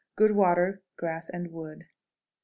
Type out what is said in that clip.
Good water, grass, and wood. 12.